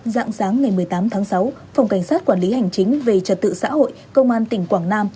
dạng sáng ngày một mươi tám tháng sáu phòng cảnh sát quản lý hành chính về trật tự xã hội công an tỉnh quảng nam